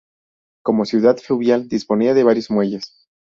Como ciudad fluvial disponía de varios muelles.